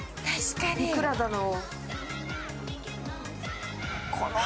いくらだろう。